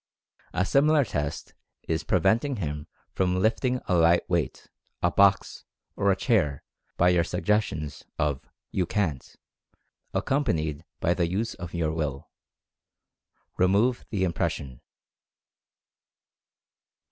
A similar test is preventing him from lifting a light Experimental Fascination 105 weight, a box, or a chair by your suggestions of "you CANT" accompanied by the use of your Will. Re move the impression.